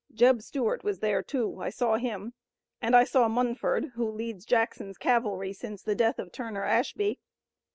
Jeb Stuart was there, too. I saw him. And I saw Munford, who leads Jackson's cavalry since the death of Turner Ashby.